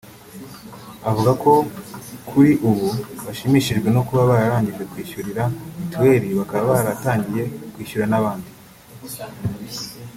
Avuga ko kuri ubu bashimishijwe no kuba bararangije kwishyurira mituweri bakaba batangiye kwishyurira n’abandi